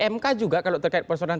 mk juga kalau terkait persoalan